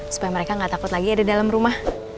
supaya mereka gak takut lagi ada dalam rumah